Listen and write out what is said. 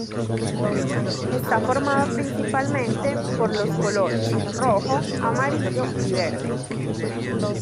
Está formado principalmente por los colores rojo, amarillo y verde.